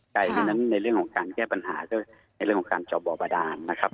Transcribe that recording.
เพราะฉะนั้นในเรื่องของการแก้ปัญหาก็ในเรื่องของการจอบบ่อบาดานนะครับ